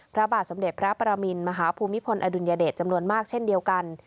พระบาทสมเด็จพระประมินมหาภูมิพลอดุลยเดชจำนวนมากเช่นเดียวกัน